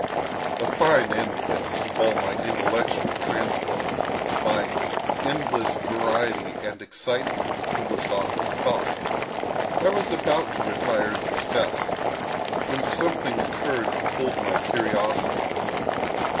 A fine end, this, of all my intellectual transports—my "endless variety and excitement of philosophic thought!" I was about to retire in disgust when something occurred to hold my curiosity.